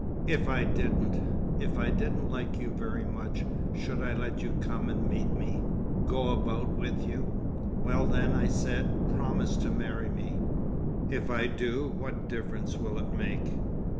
"If I didn't—If I didn't like you very much, should I let you come and meet me—go about with you?" "Well then," I said, "promise to marry me!" "If I do, what difference will it make?"